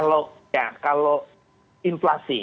kalau ya kalau inflasi